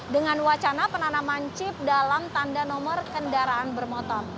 dengan wacana penanaman chip dalam tanda nomor kendaraan bermotor